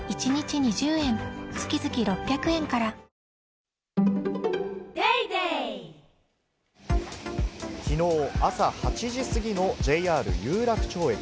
ニトリきのう朝８時過ぎのＪＲ有楽町駅。